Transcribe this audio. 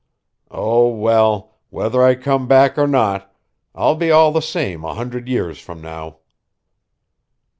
Oh, well, whether I come back or not, I'll be all the same a hundred years from now."